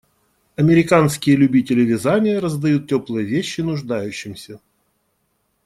Американские любители вязания раздают теплые вещи нуждающимся